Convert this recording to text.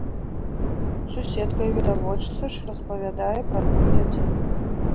Суседка і відавочца ж распавядае пра двух дзяцей.